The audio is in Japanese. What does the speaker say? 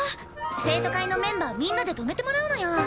生徒会のメンバーみんなで泊めてもらうのよ。